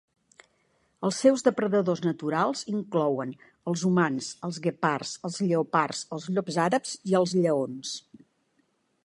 Els seus depredadors naturals inclouen els humans, els guepards, els lleopards, els llops àrabs i els lleons.